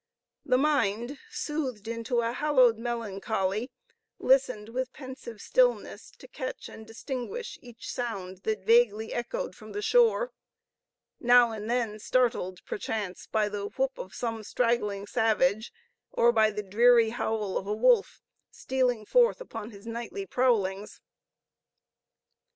The mind, soothed into a hallowed melancholy, listened with pensive stillness to catch and distinguish each sound that vaguely echoed from the shore now and then startled, perchance, by the whoop of some straggling savage, or by the dreary howl of a wolf, stealing forth upon his nightly prowlings.